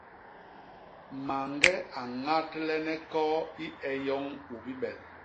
Mañge a ñadlene koo i e yoñ u bibel.